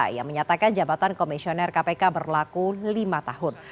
ia menyatakan jabatan komisioner kpk berlaku lima tahun